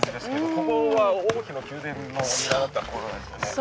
ここは、王妃の宮殿だったところなんですよね。